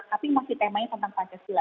tapi masih temanya tentang pancasila